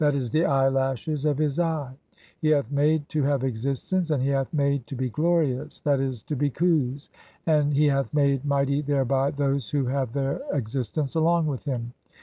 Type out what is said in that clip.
e., the eyelashes) of his eye ; he hath made to "have existence, and he hath made to be glorious (;'. e., to be "Khus), and he hath made mighty thereby those who have their "existence along with him.